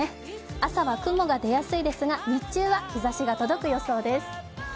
朝は雲が出やすいですが日中は日ざしが届く予想です。